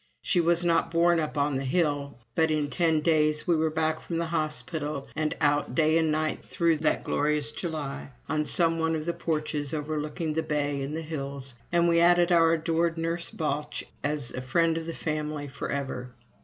She was not born up on the hill; but in ten days we were back from the hospital and out day and night through that glorious July, on some one of the porches overlooking the bay and the hills. And we added our adored Nurse Balch as a friend of the family forever.